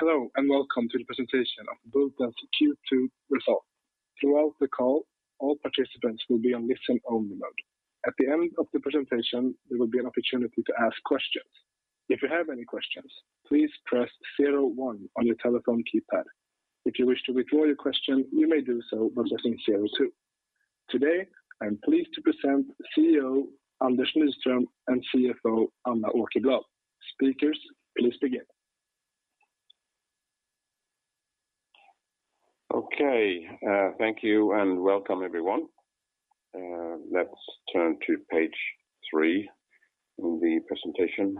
Hello, and welcome to the presentation of Bulten's Q2 results. Throughout the call, all participants will be on listen only mode. At the end of the presentation, there will be an opportunity to ask questions. If you have any questions, please press zero-one on your telephone keypad. If you wish to withdraw your question, you may do so by pressing zero-two. Today, I am pleased to present CEO Anders Nyström and CFO Anna Åkerblad. Speakers, please begin. Okay, thank you and welcome everyone. Let's turn to page three in the presentation,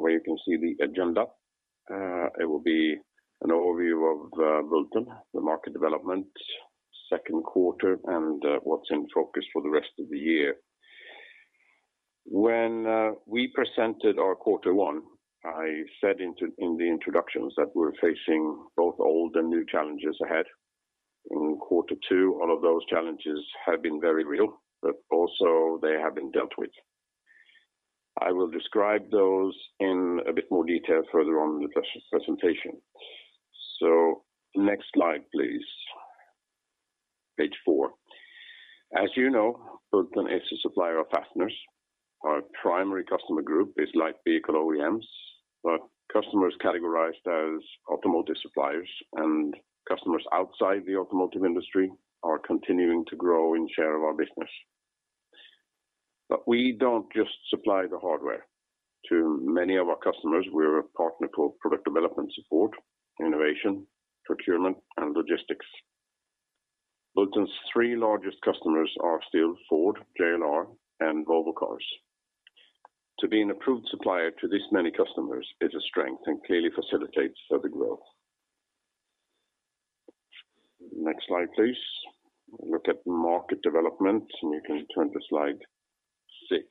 where you can see the agenda. It will be an overview of Bulten, the market development, second quarter, and what's in focus for the rest of the year. When we presented our quarter one, I said in the introductions that we're facing both old and new challenges ahead. In quarter two, all of those challenges have been very real, but also they have been dealt with. I will describe those in a bit more detail further on in the presentation. Next slide, please. Page four. As you know, Bulten is a supplier of fasteners. Our primary customer group is light vehicle OEMs, but customers categorized as automotive suppliers and customers outside the automotive industry are continuing to grow in share of our business. We don't just supply the hardware. To many of our customers, we're a partner for product development support, innovation, procurement, and logistics. Bulten's three largest customers are still Ford, JLR, and Volvo Cars. To be an approved supplier to this many customers is a strength and clearly facilitates further growth. Next slide, please. Look at market development, and you can turn to slide six.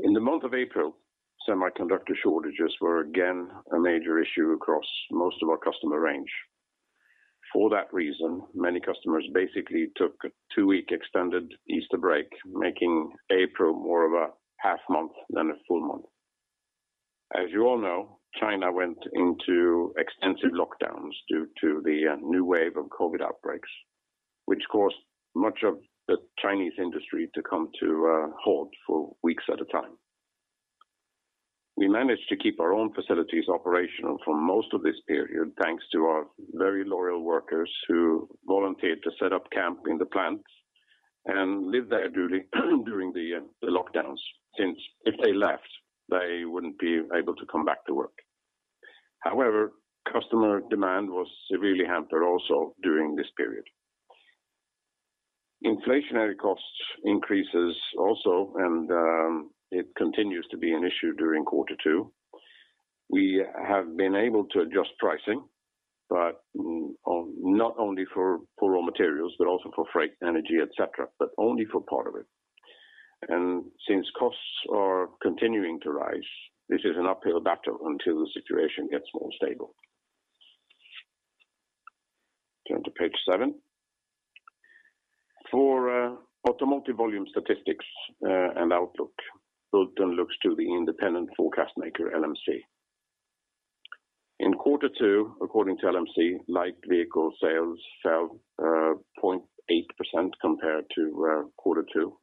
In the month of April, semiconductor shortages were again a major issue across most of our customer range. For that reason, many customers basically took a two week extended Easter break, making April more of a half month than a full month. As you all know, China went into extensive lockdowns due to the new wave of COVID outbreaks, which caused much of the Chinese industry to come to a halt for weeks at a time. We managed to keep our own facilities operational for most of this period, thanks to our very loyal workers who volunteered to set up camp in the plants and live there during the lockdowns, since if they left, they wouldn't be able to come back to work. However, customer demand was severely hampered also during this period. Inflationary costs increases also and it continues to be an issue during quarter two. We have been able to adjust pricing, but not only for raw materials, but also for freight, energy, et cetera, but only for part of it. Since costs are continuing to rise, this is an uphill battle until the situation gets more stable. Turn to page seven. For automotive volume statistics and outlook, Bulten looks to the independent forecast maker LMC. In quarter two, according to LMC, light vehicle sales fell 0.8% compared to quarter two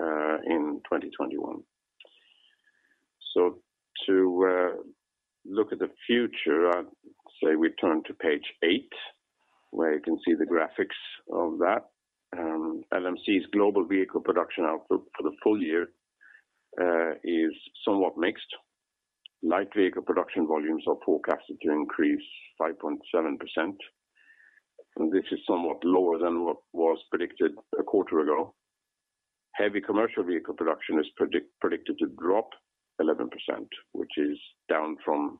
in 2021. To look at the future, I'd say we turn to page eight, where you can see the graphics of that. LMC's global vehicle production outlook for the full year is somewhat mixed. Light vehicle production volumes are forecasted to increase 5.7%, and this is somewhat lower than what was predicted a quarter ago. Heavy commercial vehicle production is predicted to drop 11%, which is down from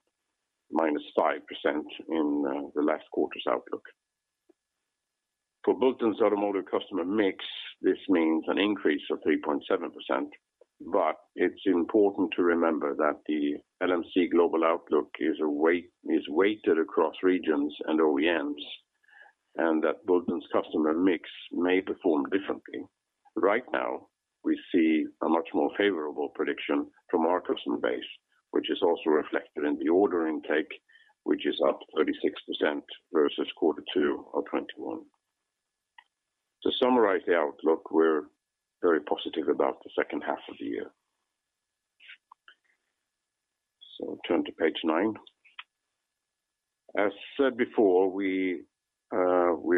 -5% in the last quarter's outlook. For Bulten's automotive customer mix, this means an increase of 3.7%, but it's important to remember that the LMC global outlook is weighted across regions and OEMs, and that Bulten's customer mix may perform differently. Right now, we see a much more favorable prediction from customer base, which is also reflected in the order intake, which is up 36% versus quarter two of 2021. To summarize the outlook, we're very positive about the second half of the year. Turn to page nine. As said before, we're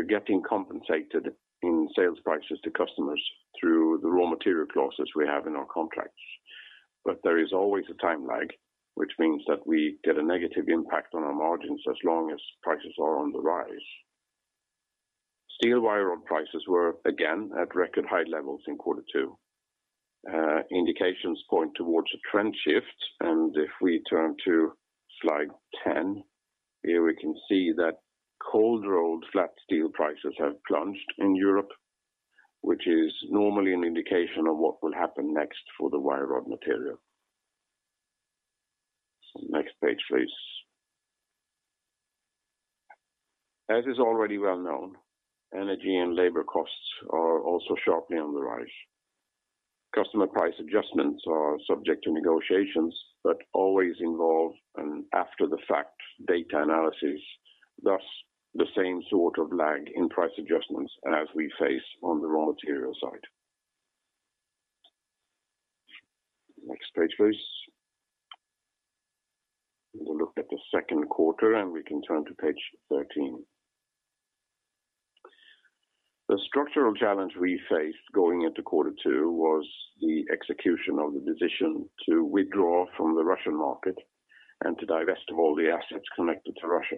getting compensated in sales prices to customers through the raw material clauses we have in our contracts. There is always a time lag, which means that we get a negative impact on our margins as long as prices are on the rise. Steel wire rod prices were again at record high levels in quarter two. Indications point towards a trend shift, and if we turn to slide 10, here we can see that cold-rolled flat steel prices have plunged in Europe, which is normally an indication of what will happen next for the wire rod material. Next page, please. As is already well known, energy and labor costs are also sharply on the rise. Customer price adjustments are subject to negotiations, but always involve an after the fact data analysis, thus the same sort of lag in price adjustments as we face on the raw material side. Next page, please. We will look at the second quarter, and we can turn to page 13. The structural challenge we faced going into quarter two was the execution of the decision to withdraw from the Russian market and to divest of all the assets connected to Russia.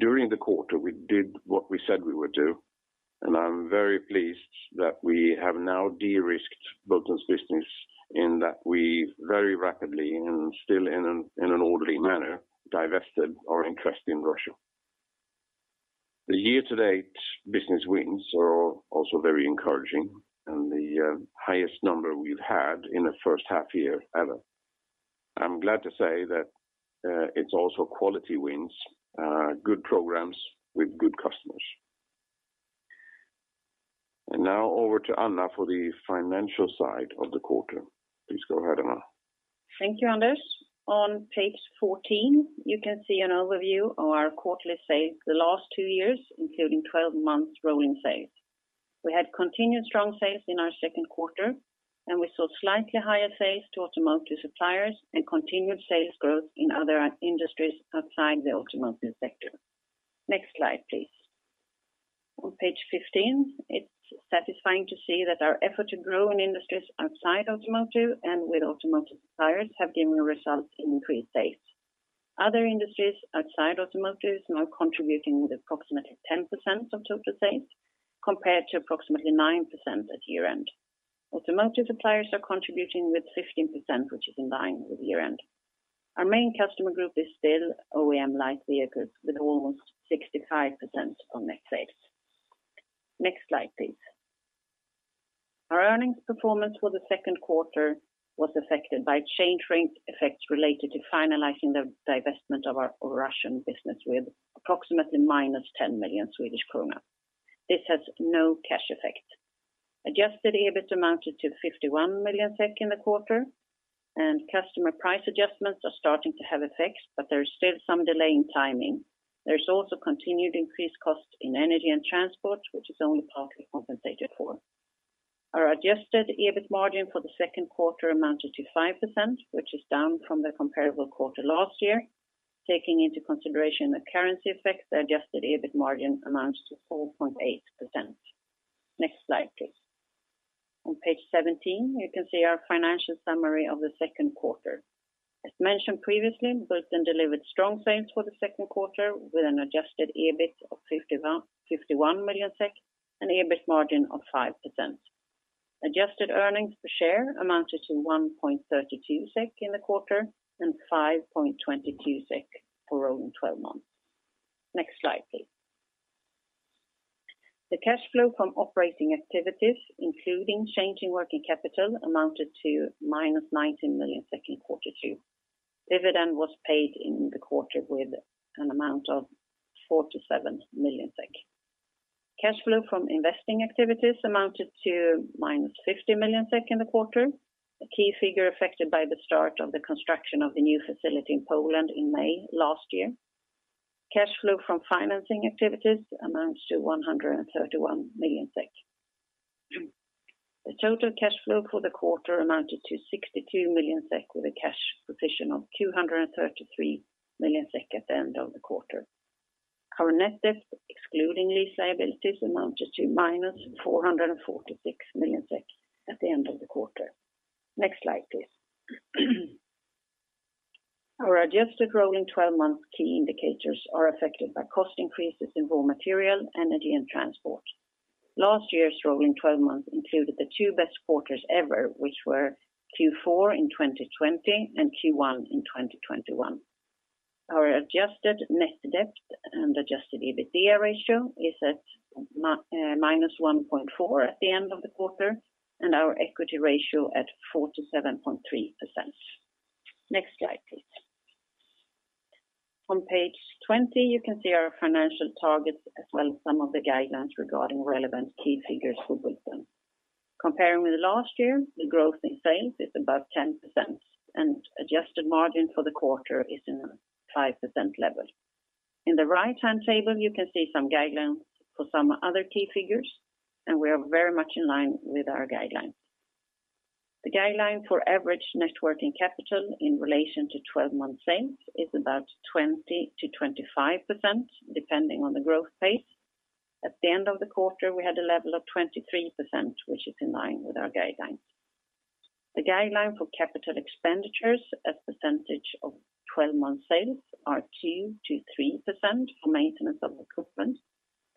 During the quarter, we did what we said we would do, and I'm very pleased that we have now de-risked Bulten's business in that we very rapidly and still in an orderly manner, divested our interest in Russia. The year-to-date business wins are also very encouraging and the highest number we've had in the first half year ever. I'm glad to say that it's also quality wins, good programs with good customers. Now over to Anna for the financial side of the quarter. Please go ahead, Anna. Thank you, Anders. On page 14, you can see an overview of our quarterly sales the last two years, including 12 months rolling sales. We had continued strong sales in our second quarter, and we saw slightly higher sales to automotive suppliers and continued sales growth in other industries outside the automotive sector. Next slide, please. On page 15, it's satisfying to see that our effort to grow in industries outside automotive and with automotive suppliers have given results in increased sales. Other industries outside automotive is now contributing with approximately 10% of total sales compared to approximately 9% at year-end. Automotive suppliers are contributing with 15%, which is in line with year-end. Our main customer group is still OEM light vehicles with almost 65% of net sales. Next slide, please. Our earnings performance for the second quarter was affected by exchange rate effects related to finalizing the divestment of our Russian business with approximately -10 million Swedish krona. This has no cash effect. Adjusted EBIT amounted to 51 million SEK in the quarter, and customer price adjustments are starting to have effects, but there is still some delay in timing. There's also continued increased costs in energy and transport, which is only partly compensated for. Our adjusted EBIT margin for the second quarter amounted to 5%, which is down from the comparable quarter last year. Taking into consideration the currency effects, the adjusted EBIT margin amounts to 4.8%. Next slide, please. On page 17, you can see our financial summary of the second quarter. As mentioned previously, Bulten delivered strong sales for the second quarter with an adjusted EBIT of 51 million SEK and EBIT margin of 5%. Adjusted earnings per share amounted to 1.32 SEK in the quarter and 5.22 SEK for rolling 12 months. Next slide, please. The cash flow from operating activities, including changing working capital, amounted to -90 million in quarter two. Dividend was paid in the quarter with an amount of 47 million SEK. Cash flow from investing activities amounted to -50 million SEK in the quarter, a key figure affected by the start of the construction of the new facility in Poland in May last year. Cash flow from financing activities amounts to 131 million SEK. The total cash flow for the quarter amounted to 62 million SEK with a cash position of 233 million SEK at the end of the quarter. Our net debt, excluding lease liabilities, amounted to -446 million at the end of the quarter. Next slide, please. Our adjusted rolling twelve-month key indicators are affected by cost increases in raw material, energy, and transport. Last year's rolling twelve months included the two best quarters ever, which were Q4 in 2020 and Q1 in 2021. Our adjusted net debt and adjusted EBITDA ratio is at minus 1.4 at the end of the quarter, and our equity ratio at 47.3%. Next slide, please. On page 20, you can see our financial targets as well as some of the guidelines regarding relevant key figures for Bulten. Comparing with last year, the growth in sales is above 10%, and adjusted margin for the quarter is in the 5% level. In the right-hand table, you can see some guidelines for some other key figures, and we are very much in line with our guidelines. The guideline for average net working capital in relation to twelve-month sales is about 20%-25%, depending on the growth pace. At the end of the quarter, we had a level of 23%, which is in line with our guidelines. The guideline for capital expenditures as percentage of twelve-month sales are 2%-3% for maintenance of equipment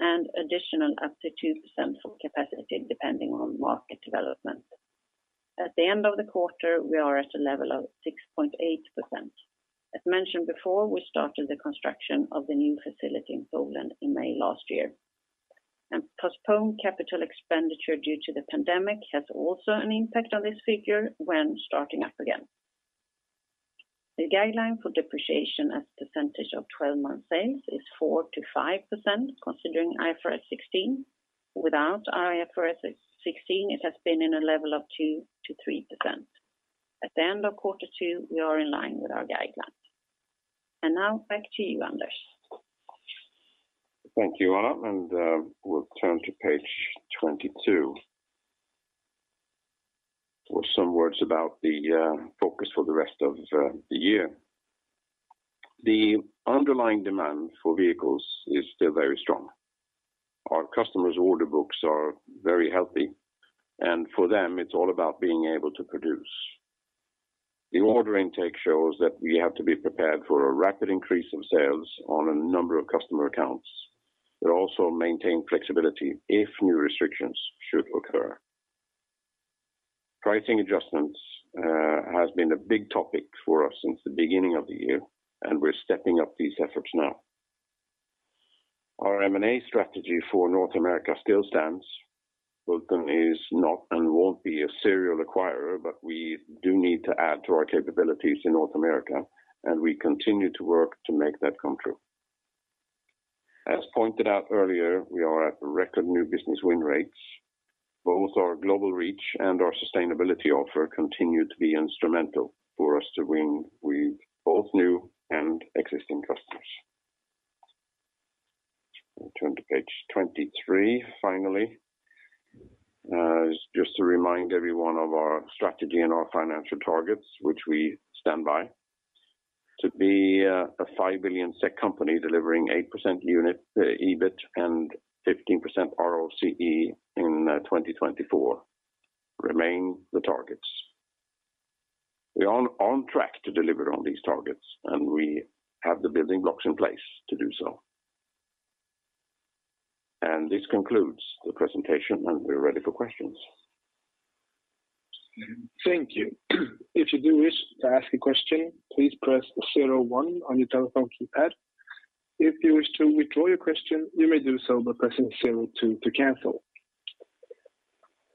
and additional up to 2% for capacity, depending on market development. At the end of the quarter, we are at a level of 6.8%. As mentioned before, we started the construction of the new facility in Poland in May last year. Postponed capital expenditure due to the pandemic has also an impact on this figure when starting up again. The guideline for depreciation as percentage of 12-month sales is 4%-5% considering IFRS 16. Without IFRS 16, it has been in a level of 2%-3%. At the end of quarter two, we are in line with our guidelines. Now back to you, Anders. Thank you, Anna. We'll turn to page 22. For some words about the focus for the rest of the year. The underlying demand for vehicles is still very strong. Our customers order books are very healthy, and for them it's all about being able to produce. The order intake shows that we have to be prepared for a rapid increase of sales on a number of customer accounts, but also maintain flexibility if new restrictions should occur. Pricing adjustments has been a big topic for us since the beginning of the year, and we're stepping up these efforts now. Our M&A strategy for North America still stands. Bulten is not and won't be a serial acquirer, but we do need to add to our capabilities in North America, and we continue to work to make that come true. As pointed out earlier, we are at record new business win rates. Both our global reach and our sustainability offer continue to be instrumental for us to win with both new and existing customers. We turn to page 23, finally. Just to remind everyone of our strategy and our financial targets, which we stand by. To be a 5 billion SEK company delivering 8% EBIT and 15% ROCE in 2024 remain the targets. We are on track to deliver on these targets, and we have the building blocks in place to do so. This concludes the presentation, and we're ready for questions. Thank you. If you do wish to ask a question, please press zero one on your telephone keypad. If you wish to withdraw your question, you may do so by pressing zero two to cancel.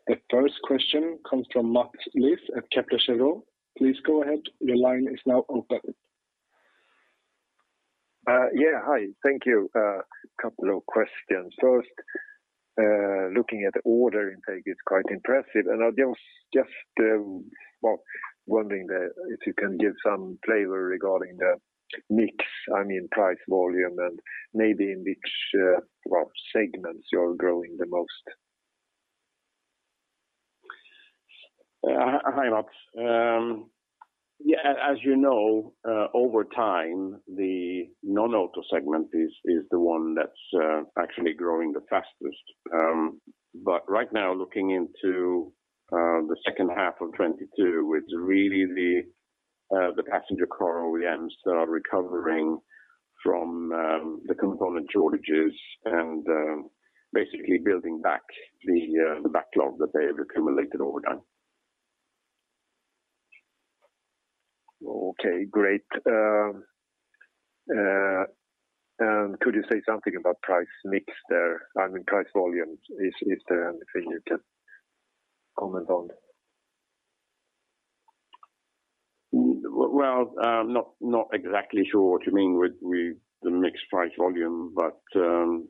The first question comes from Mats Liss at Kepler Cheuvreux. Please go ahead, your line is now open. Yeah. Hi. Thank you. A couple of questions. First, looking at the order intake, it's quite impressive. I was just wondering if you can give some flavor regarding the mix, I mean, price, volume, and maybe in which segments you're growing the most. Hi, Mats. Yeah, as you know, over time, the non-auto segment is the one that's actually growing the fastest. Right now, looking into the second half of 2022, it's really the passenger car OEMs that are recovering from the component shortages and basically building back the backlog that they have accumulated over time. Okay, great. Could you say something about price mix there? I mean, price volume. Is there anything you can comment on? Well, I'm not exactly sure what you mean with the mix price volume, but do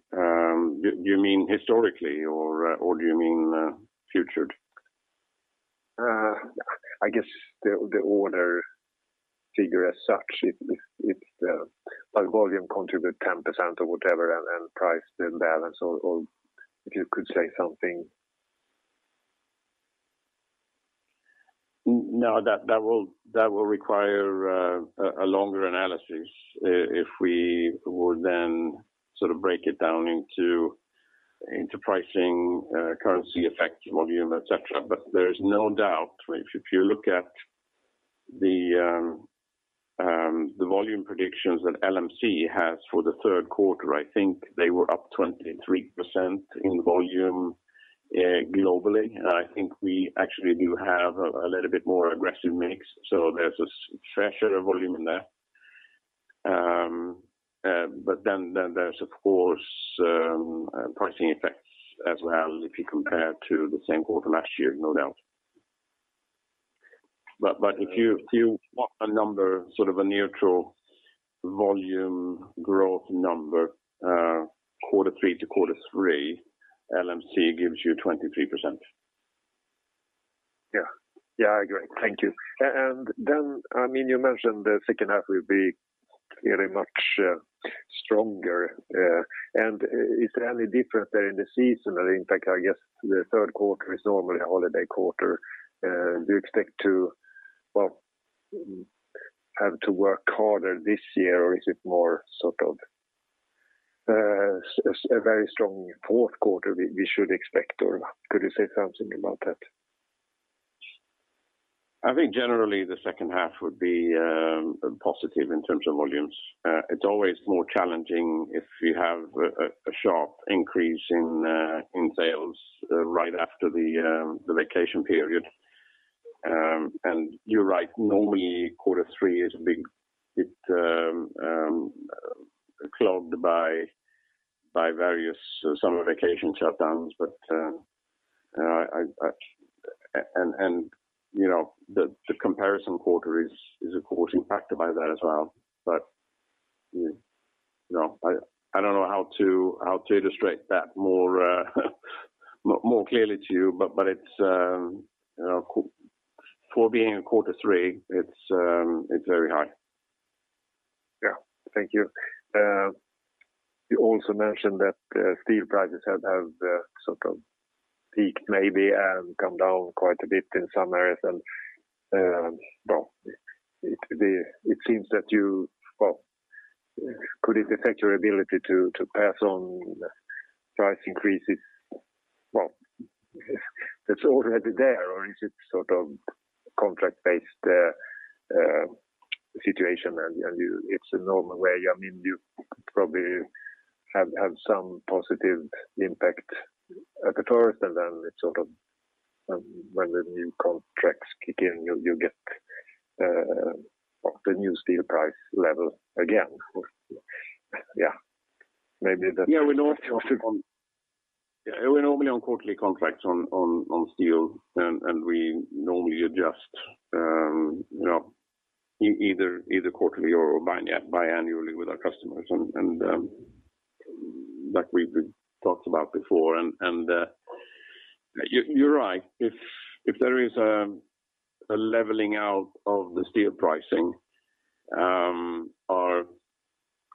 you mean historically or do you mean future? I guess the order figure as such, it's like volume contribute 10% or whatever, and then price the balance or if you could say something. No, that will require a longer analysis if we would then sort of break it down into pricing, currency effect, volume, et cetera. There is no doubt, right. If you look at the volume predictions that LMC has for the third quarter, I think they were up 23% in volume globally. I think we actually do have a little bit more aggressive mix. There's a slight share of volume in there. Then there's of course pricing effects as well, if you compare to the same quarter last year, no doubt. If you want a number, sort of a neutral volume growth number, quarter three to quarter three, LMC gives you 23%. Yeah. Yeah. Great. Thank you. I mean, you mentioned the second half will be very much stronger. Is there any difference there in the season? In fact, I guess the third quarter is normally a holiday quarter. Do you expect to, well, have to work harder this year, or is it more sort of a very strong fourth quarter we should expect, or could you say something about that? I think generally the second half would be positive in terms of volumes. It's always more challenging if you have a sharp increase in sales right after the vacation period. You're right, normally quarter three is a big, clogged by various summer vacation shutdowns. You know, the comparison quarter is of course impacted by that as well. You know, I don't know how to illustrate that more clearly to you, but it's you know, for being in quarter three, it's very high. Yeah. Thank you. You also mentioned that steel prices have sort of peaked maybe and come down quite a bit in some areas. It seems that could it affect your ability to pass on price increases? Well, if it's already there, or is it sort of contract based situation and you. It's a normal way. I mean, you probably have some positive impact at the first, and then it sort of when the new contracts kick in, you'll get off the new steel price level again. Yeah. Maybe that. Yeah. We're normally on quarterly contracts on steel and we normally adjust, you know, either quarterly or biannually with our customers. Like we've talked about before. You're right. If there is a leveling out of the steel pricing, our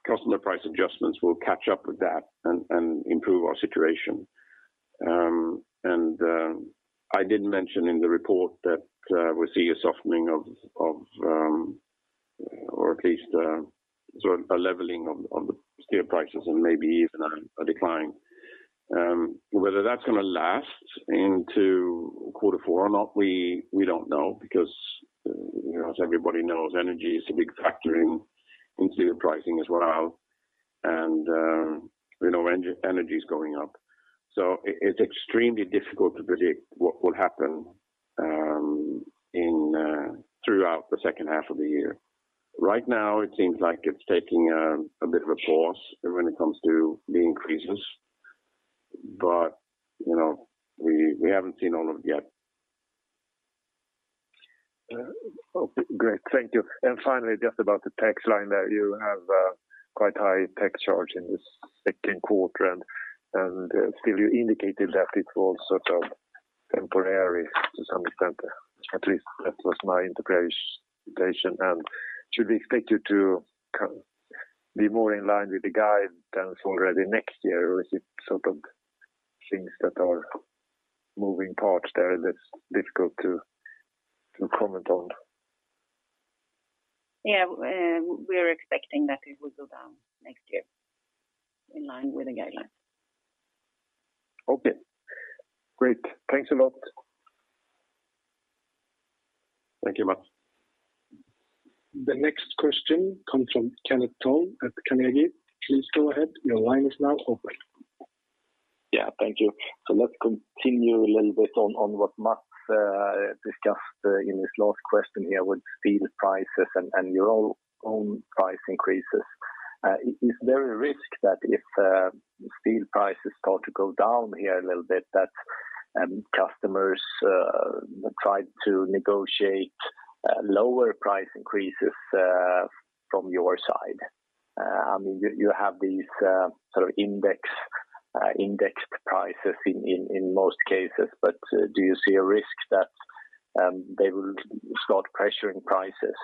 customer price adjustments will catch up with that and improve our situation. I did mention in the report that we see a softening of or at least sort of a leveling off on the steel prices and maybe even a decline. Whether that's gonna last into quarter four or not, we don't know because, you know, as everybody knows, energy is a big factor in steel pricing as well. Energy is going up. It's extremely difficult to predict what will happen throughout the second half of the year. Right now, it seems like it's taking a bit of a pause when it comes to the increases. You know, we haven't seen all of it yet. Okay, great. Thank you. Finally, just about the tax line that you have, quite high tax charge in this second quarter, and still you indicated that it was sort of temporary to some extent, at least that was my interpretation. Should we expect you to be more in line with the guide than already next year? Or is it sort of things that are moving parts there that's difficult to comment on? Yeah. We are expecting that it will go down next year in line with the guidelines. Okay, great. Thanks a lot. Thank you, Mats. The next question comes from Kenneth Toll at Carnegie. Please go ahead. Your line is now open. Yeah, thank you. Let's continue a little bit on what Mats discussed in his last question here with steel prices and your own price increases. Is there a risk that if steel prices start to go down here a little bit, that customers try to negotiate lower price increases from your side? I mean, you have these sort of indexed prices in most cases. Do you see a risk that they will start pressuring prices?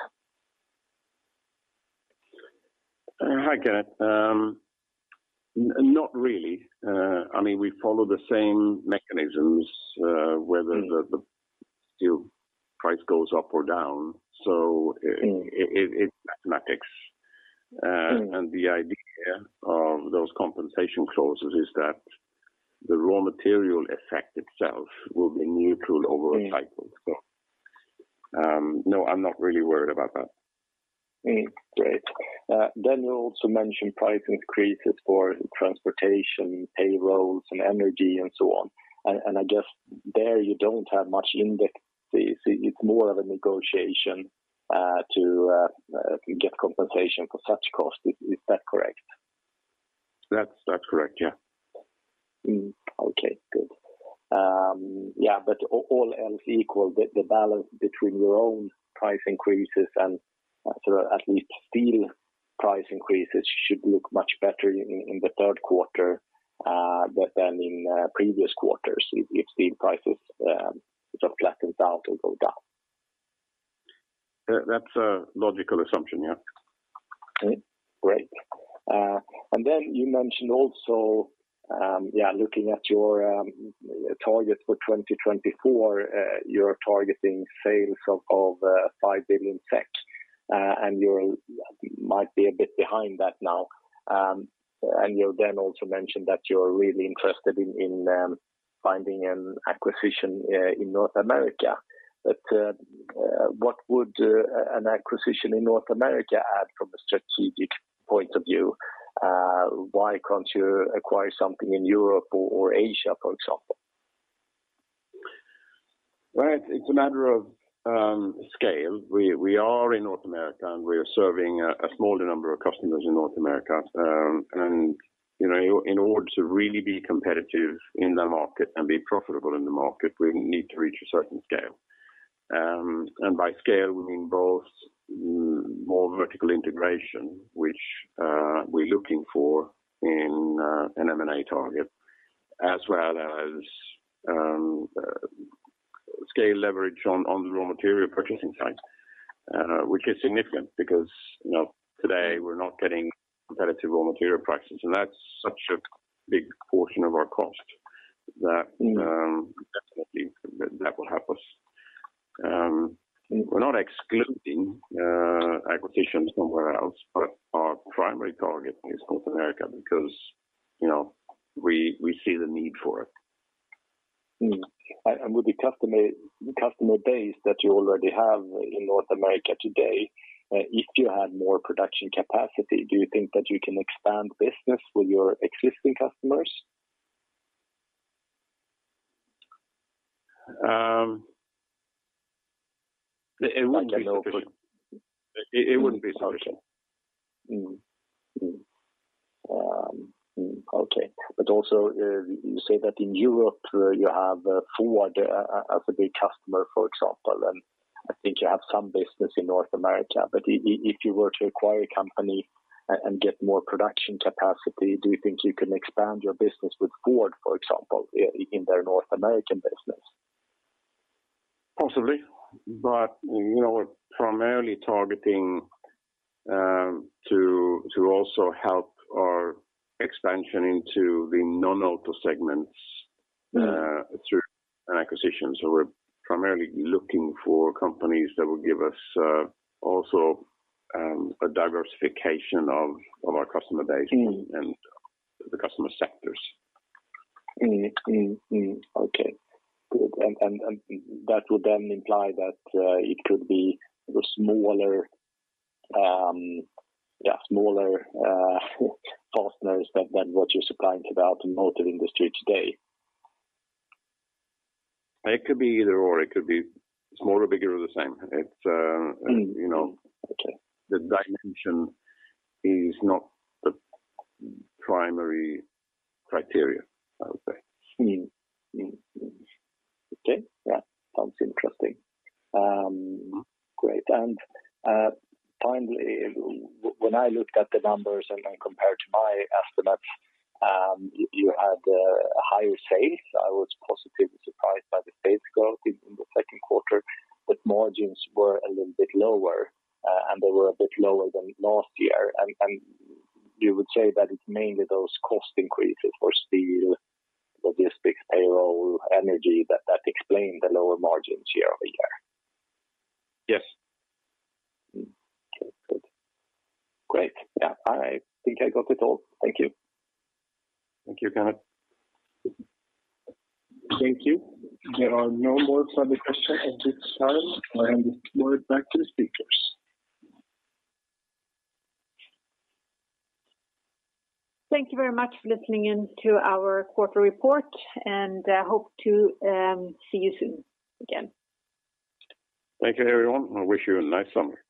Hi, Kenneth. Not really. I mean, we follow the same mechanisms, whether the steel price goes up or down. It's mathematics. The idea of those compensation clauses is that the raw material effect itself will be neutral over a cycle. No, I'm not really worried about that. You also mentioned price increases for transportation, payrolls, and energy and so on. I guess there you don't have much index. It's more of a negotiation to get compensation for such costs. Is that correct? That's correct. Yeah. Okay, good. Yeah, all else equal, the balance between your own price increases and sort of at least steel price increases should look much better in the third quarter than in previous quarters if steel prices sort of flatten out or go down. That's a logical assumption, yeah. Great. Then you mentioned also, looking at your target for 2024, you're targeting sales of 5 billion SEK. You might be a bit behind that now. You then also mentioned that you're really interested in finding an acquisition in North America. What would an acquisition in North America add from a strategic point of view? Why can't you acquire something in Europe or Asia, for example? Right. It's a matter of scale. We are in North America, and we are serving a smaller number of customers in North America. You know, in order to really be competitive in the market and be profitable in the market, we need to reach a certain scale. By scale, we mean both more vertical integration, which we're looking for in an M&A target, as well as scale leverage on the raw material purchasing side, which is significant because, you know, today we're not getting competitive raw material prices, and that's such a big portion of our cost that Mm. Definitely that will help us. We're not excluding acquisitions somewhere else, but our primary target is North America because, you know, we see the need for it. With the customer base that you already have in North America today, if you had more production capacity, do you think that you can expand business with your existing customers? It wouldn't be surprising. Also, you say that in Europe, you have Ford as a big customer, for example, and I think you have some business in North America. If you were to acquire a company and get more production capacity, do you think you can expand your business with Ford, for example, in their North American business? Possibly. You know, we're primarily targeting to also help our expansion into the non-auto segments. Mm. through an acquisition. We're primarily looking for companies that will give us also a diversification of our customer base. Mm. the customer sectors. Okay. Good. That would then imply that it could be the smaller partners than what you're supplying to the automotive industry today. It could be either/or. It could be smaller, bigger or the same. It's, you know. Okay. The dimension is not the primary criteria, I would say. Okay. Yeah. Sounds interesting. Great. Finally, when I looked at the numbers and then compared to my estimates, you had a higher sales. I was positively surprised by the sales growth in the second quarter, but margins were a little bit lower, and they were a bit lower than last year. You would say that it's mainly those cost increases for steel, logistics, payroll, energy that explain the lower margins year-over-year? Yes. Okay. Good. Great. Yeah. I think I got it all. Thank you. Thank you, Kenneth Toll. Thank you. There are no further questions at this time. I hand it over back to the speakers. Thank you very much for listening in to our quarterly report and hope to see you soon again. Thank you, everyone, and I wish you a nice summer.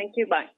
Thank you. Bye.